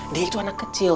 dia itu anak kecil